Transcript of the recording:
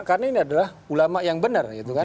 karena ini adalah ulama yang benar